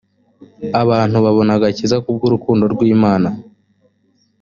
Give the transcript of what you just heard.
abantu babona agakiza ku bw’urukundo rw’imana